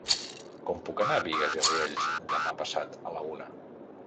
Com puc anar a Bigues i Riells demà passat a la una?